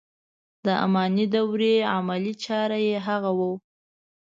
د اماني دورې عملي چاره یې هغه و.